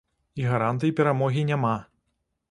І гарантый перамогі няма.